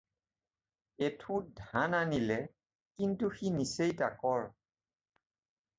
এঠোঁট ধান আনিলে, কিন্তু সি নিচেই তাকৰ।